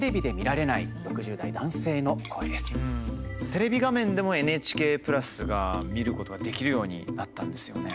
テレビ画面でもＮＨＫプラスが見ることができるようになったんですよね。